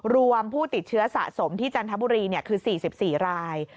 ผู้ติดเชื้อสะสมที่จันทบุรีคือ๔๔ราย